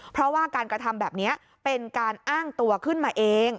เพราะว่าการกระทำแบบนี้เป็นการอ้างตัวขึ้นมาเอง